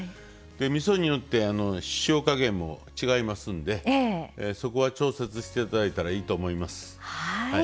みそによって塩加減も違いますのでそこは調節していただいたらいいと思います。